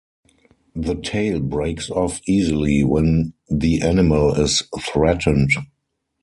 The tail breaks off easily when the animal is threatened.